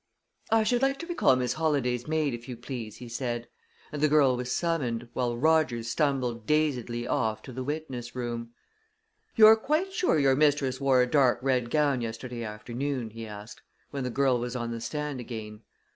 "I should like to recall Miss Holladay's maid, if you please," he said; and the girl was summoned, while Rogers stumbled dazedly off to the witness room. "You're quite sure your mistress wore a dark red gown yesterday afternoon?" he asked, when the girl was on the stand again.